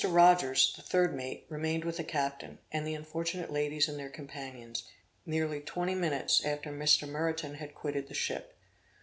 Rogers, the third mate, remained with the captain, and the unfortunate ladies and their companions, nearly twenty minutes after Mr. Meriton had quitted the ship.